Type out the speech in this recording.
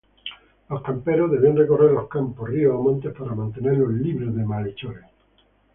Los camperos debían recorrer los campos, ríos o montes para mantenerlos libres de malhechores.